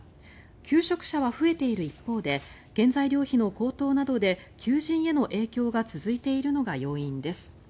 求職者は増えている一方で原材料費の高騰などで求人への影響が続いているのが要因です。